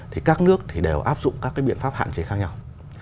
thì các nước thì đều áp dụng các cái biện pháp hạn chế khác nhau